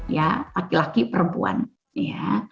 ya laki laki perempuan ya